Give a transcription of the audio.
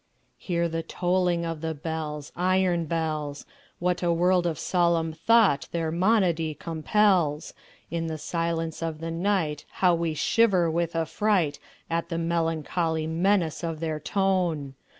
Hear the tolling of the bells, Iron bells! What a world of solemn thought their monody compels! In the silence of the nightHow we shiver with affrightAt the melancholy menace of their tone!